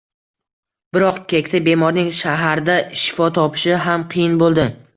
Biroq keksa bemorning shaharda shifo topishi ham qiyin bo`ldi